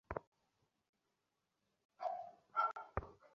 আপনাকে আমাদের সাথে পুলিশ স্টেশন যেতে হবে, কথা বলার আছে।